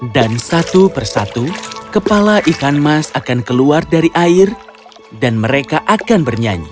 dan satu persatu kepala ikan mas akan keluar dari air dan mereka akan bernyanyi